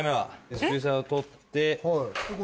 スペーサーを取って。